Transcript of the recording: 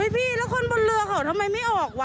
พี่แล้วคนบนเรือเขาทำไมไม่ออกวะ